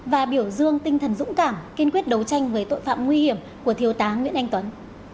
và biểu dương tinh thần dũng cảm kiên quyết đấu tranh với tội phạm nguy hiểm của thiếu tá nguyễn anh tuấn